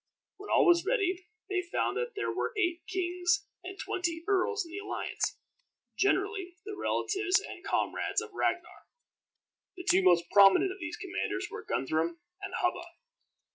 When all was ready, they found that there were eight kings and twenty earls in the alliance, generally the relatives and comrades of Ragnar. The two most prominent of these commanders were Guthrum and Hubba.